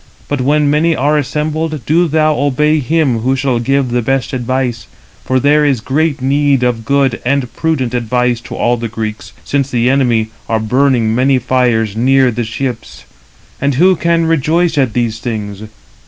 But when many are assembled, do thou obey him who shall give the best advice; for there is great need of good and prudent [advice] to all the Greeks, since the enemy are burning many fires near the ships; and who can rejoice at these things?